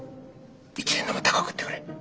一円でも高く売ってくれ。